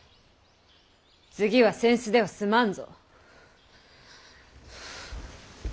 次は扇子では済まんぞ。